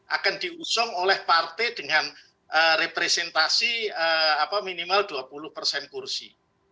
akan diusung oleh partai dengan representasi minimal dua puluh persen kursi